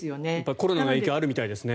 コロナの影響あるみたいですよね。